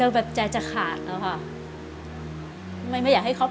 เพราะว่าอะไรครับ